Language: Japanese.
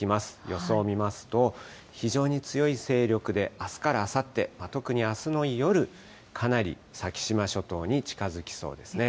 予想見ますと、非常に強い勢力であすからあさって、特にあすの夜、かなり先島諸島に近づきそうですね。